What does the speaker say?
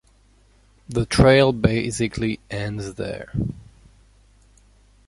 The trail basically ends there.